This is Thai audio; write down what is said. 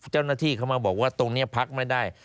เจ้าหน้าที่เขามาบอกว่าตรงนี้พักไม่ได้